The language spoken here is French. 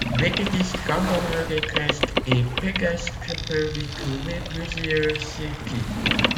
Vététistes, randonneurs équestres et pédestres peuvent y trouver plusieurs circuits.